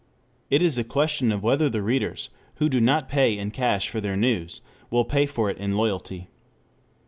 It is a question of whether the readers, who do not pay in cash for their news, will pay for it in loyalty.